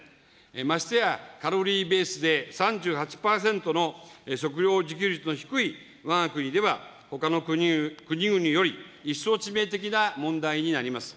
ましてやカロリーベースで３８％の食料自給率の低いわが国では、ほかの国々より一層致命的な問題になります。